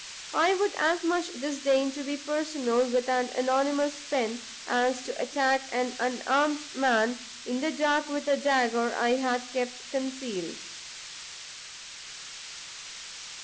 I would as much disdain to be personal with an anonymous pen, as to attack an unarmed man in the dark with a dagger I had kept concealed."